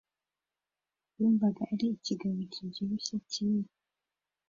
Yumvaga ari ikigabo kibyibushye kinini.